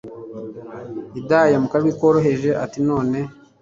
Hidaya mukajwi koroheje atinone